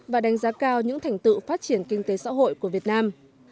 và đánh giá cao những thành tựu phát triển kinh tế xã hội của việt nam